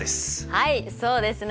はいそうですね！